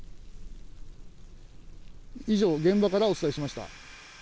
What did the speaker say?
以上、現場からお伝えしました。